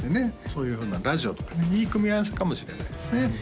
そういうふうなラジオとかねいい組み合わせかもしれないですね